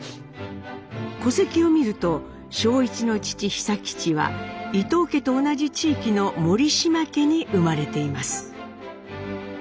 戸籍を見ると正一の父久吉は伊藤家と同じ地域の森嶋家に生まれています。